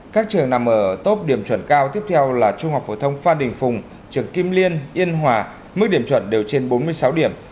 các trường nằm ở tốt điểm chuẩn cao tiếp theo là trung học phổ thông phan đình phùng trường kim liên yên hòa mức điểm chuẩn đều trên bốn mươi sáu điểm